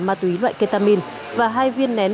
ma túy loại ketamin và hai viên nén